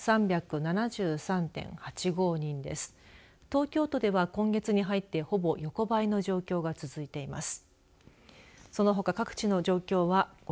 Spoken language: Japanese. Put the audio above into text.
東京都では、今月に入ってほぼ横ばいの状況が続いています。